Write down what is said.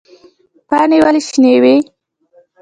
پاڼې ولې شنې وي؟